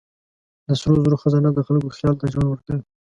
د سرو زرو خزانه د خلکو خیال ته ژوند ورکوي.